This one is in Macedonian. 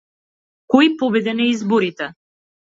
Кој победи на изборите?